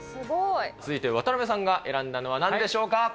続いて、渡辺さんが選んだのはなんでしょうか。